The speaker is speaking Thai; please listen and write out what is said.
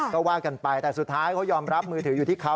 ก็ว่ากันไปแต่สุดท้ายเขายอมรับมือถืออยู่ที่เขา